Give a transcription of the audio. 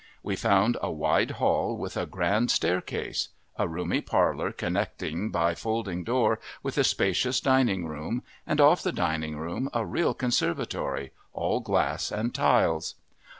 We found a wide hall with a grand staircase; a roomy parlor connecting by folding door with a spacious dining room, and off the dining room a real conservatory, all glass and tiles.